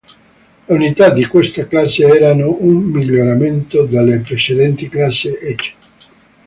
Le unità di questa classe erano un miglioramento delle precedenti classe "H".